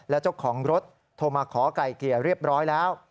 และเจ้าของรถโทรมาขอไก่เกลี่ยเรียบร้อยแล้ว